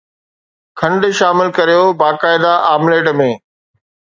کنڊ شامل ڪريو باقاعده آمليٽ ۾